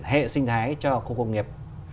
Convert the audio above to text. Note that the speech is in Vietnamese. hệ sinh thái cho các công nghiệp